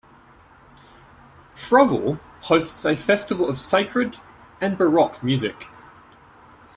Froville hosts a festival of sacred and baroque music.